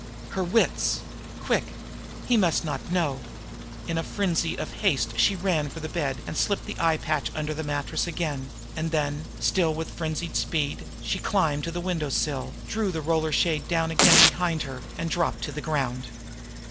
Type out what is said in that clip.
Her wits! Quick! He must not know! In a frenzy of haste she ran for the bed, and slipped the eye patch in under the mattress again; and then, still with frenzied speed, she climbed to the window sill, drew the roller shade down again behind her, and dropped to the ground.